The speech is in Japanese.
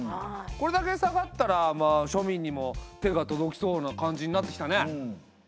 これだけ下がったら庶民にも手が届きそうな感じになってきたね。